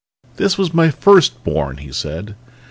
"This was my first born!" he said.